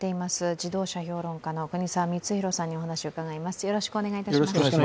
自動車評論家の国沢光宏さんにお話を伺います。